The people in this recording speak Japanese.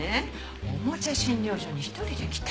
おもちゃ診療所に一人で来たのよ。